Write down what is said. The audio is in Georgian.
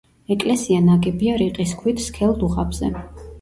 ეკლესია ნაგებია რიყის ქვით სქელ დუღაბზე.